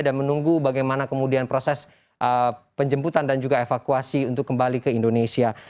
dan menunggu bagaimana kemudian proses penjemputan dan juga evakuasi untuk kembali ke indonesia